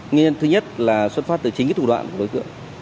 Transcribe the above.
nguyên nhân thứ nhất là xuất phát từ chính thủ đoạn của đối tượng